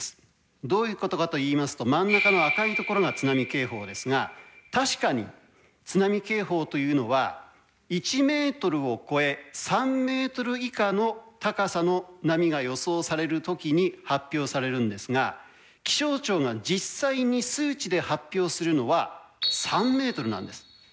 どういうことかといいますと真ん中の赤いところが津波警報ですが確かに津波警報というのは１ｍを超え３ｍ以下の高さの波が予想される時に発表されるんですが気象庁が実際に数値で発表するのは３ｍなんです。